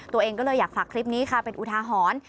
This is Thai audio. ตัวเองก็เลยอยากฝากคลิปนี้ค่ะเป็นอุทาหรณ์